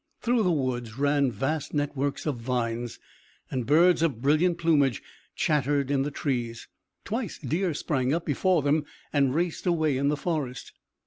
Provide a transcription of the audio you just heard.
Through the woods ran vast networks of vines, and birds of brilliant plumage chattered in the trees. Twice, deer sprang up before them and raced away in the forest.